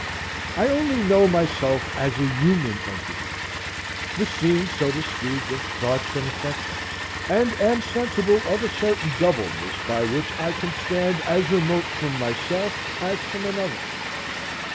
I only know myself as a human entity; the scene, so to speak, of thoughts and affections; and am sensible of a certain doubleness by which I can stand as remote from myself as from another.